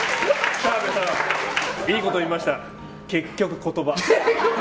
澤部さん、いいこと言いました。